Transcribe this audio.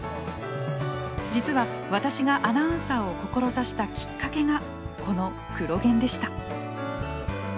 実は私がアナウンサーを志したきっかけがこの「クロ現」でした。